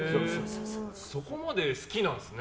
そこまで好きなんですね。